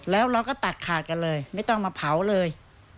แล้วเราก็ตัดขาดกันเลยไม่ต้องมาเผาเลย